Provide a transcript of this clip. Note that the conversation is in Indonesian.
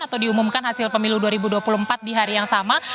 atau diumumkan hasil pemilu dua ribu dua puluh empat di hari yang sama